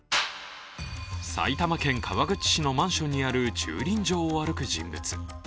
埼玉県川口市のマンションにある駐輪場を歩く人物。